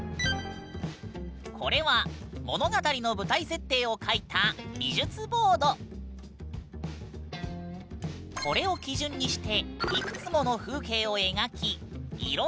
これは物語の舞台設定を描いたこれを基準にしていくつもの風景を描き色を塗っていくんだ。